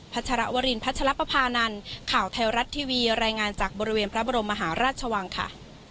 ชรวรินพัชรปภานันข่าวไทยรัฐทีวีรายงานจากบริเวณพระบรมมหาราชวังค่ะ